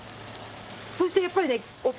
そしてやっぱりねお酢。